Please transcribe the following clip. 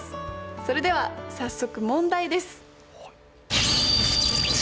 それでは早速問題です。